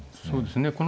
そうですね